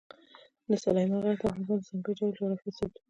سلیمان غر د افغانستان د ځانګړي ډول جغرافیه استازیتوب کوي.